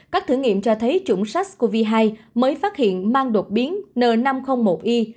các thử nghiệm cho thấy chủng sars cov hai mới phát hiện mang đột biến n năm trăm linh một i